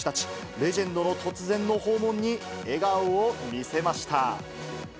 レジェンドの突然の訪問に、笑顔を見せました。